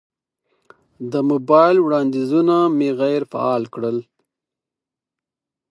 د موبایل وړاندیزونه مې غیر فعال کړل.